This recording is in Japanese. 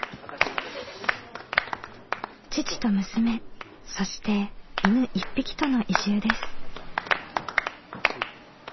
父と娘そして犬１匹との移住です。